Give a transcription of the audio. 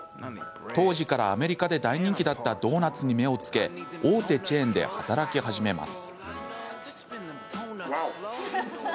当時からアメリカで大人気だったドーナツに目をつけ大手チェーンで働き始めます。